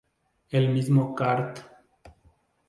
El mismo Card.